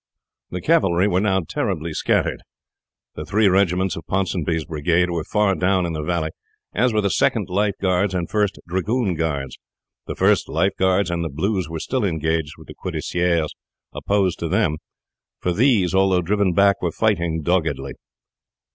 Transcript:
The cavalry were now terribly scattered; the three regiments of Ponsonby's brigade were far down in the valley, as were the Second Life Guards and First Dragoon Guards. The First Life Guards and the Blues were still engaged with the cuirassiers opposed to them; for these, although driven back, were fighting doggedly.